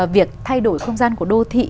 việc thay đổi không gian của đô thị